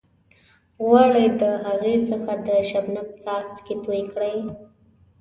غواړئ د هغې څخه د شبنم څاڅکي توئ کړئ.